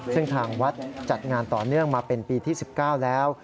ซึ่งทางวัดจัดงานต่อเนื่องมาเป็นปีที่๑๙แล้ว